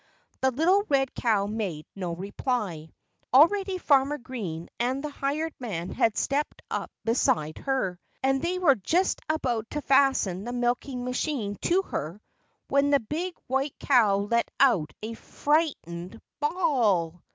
The little red cow made no reply. Already Farmer Green and the hired man had stepped up beside her. And they were just about to fasten the milking machine to her when the big white cow let out a frightened bawl.